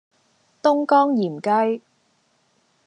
東江鹽雞